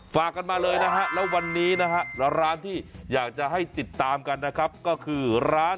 ฝากกันมาเลยนะฮะแล้ววันนี้นะฮะร้านที่อยากจะให้ติดตามกันนะครับก็คือร้าน